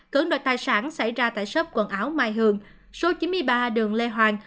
cưỡng đoạt tài sản xảy ra tại sớp quần áo mai hường số chín mươi ba đường lê hoàng